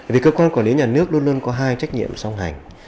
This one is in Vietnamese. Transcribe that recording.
vì cơ quan quản lý nhà nước luôn luôn có hai trách nhiệm song hành